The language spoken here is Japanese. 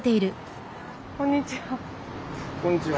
こんにちは。